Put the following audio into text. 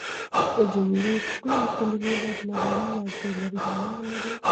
د جملې ټولي کلیمې باید لغوي يا ګرامري مانا ولري.